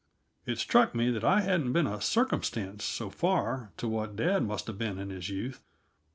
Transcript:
It struck me that I hadn't been a circumstance, so far, to what dad must have been in his youth.